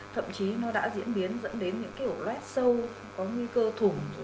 thậm chí nó đã diễn biến dẫn đến những kiểu red sâu có nguy cơ thủng